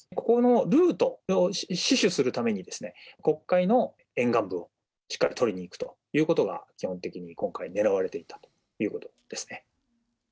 このルートを死守するために、黒海の沿岸部をしっかり取りにいくということが、基本的に今回狙われていたということですね。